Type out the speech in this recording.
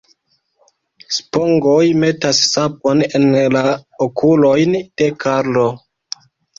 Spongoj metas sapon en la okulojn de Karlo..